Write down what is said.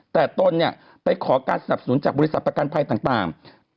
แต่ตนเนี่ยไปขอการสนับสนุนจากบริษัทประกันภัยต่าง